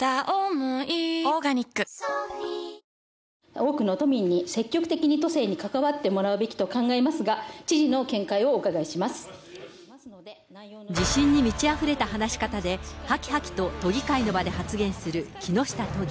多くの都民に積極的に都政に関わってもらうべきと考えますが、地震に満ちあふれた話し方で、はきはきと都議会の場で発言する木下都議。